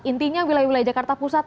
intinya wilayah wilayah jakarta pusat